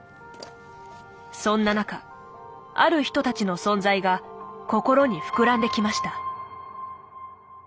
そんな中ある人たちの存在が心に膨らんできました。